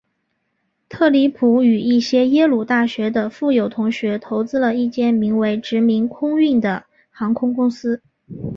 特里普与一些耶鲁大学的富有同学投资了一间名为殖民空运的航空公司。